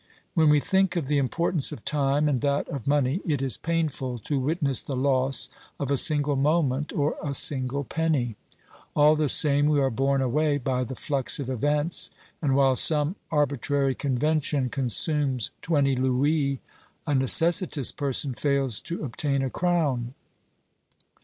When we think of the importance of time and that of money, it is painful to witness the loss of a single moment or a single penny. All the same, we are borne away by the flux of events, and while some arbitrary convention consumes twenty louis, a necessitous person fails to obtain a crown.